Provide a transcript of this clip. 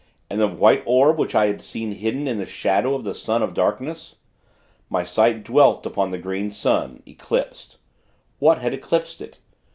And the White Orb which I had seen hidden in the shadow of the Sun of Darkness! My sight dwelt upon the Green Sun eclipsed. What had eclipsed it?